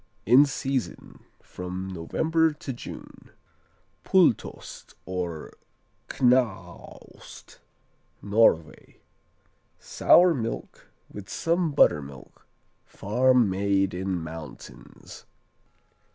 In season from November to June. Pultost or Knaost Norway Sour milk with some buttermilk, farm made in mountains.